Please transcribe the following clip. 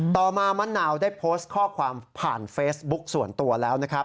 ต่อมามะนาวได้โพสต์ข้อความผ่านเฟซบุ๊กส่วนตัวแล้วนะครับ